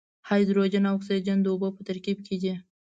هایدروجن او اکسیجن د اوبو په ترکیب کې دي.